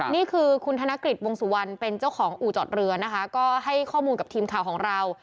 นี่คือคุณธนกฤษวงสุวรรณเป็นเจ้าของอู่จอดเรือนะคะก็ให้ข้อมูลกับทีมข่าวของเรา